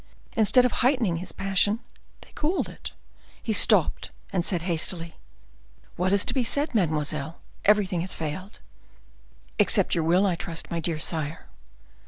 Instead of heightening his passion, they cooled it. He stopped, and said hastily,— "What is to be said, mademoiselle? Everything has failed." "Except your will, I trust, my dear sire?"